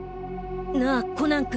なぁコナン君。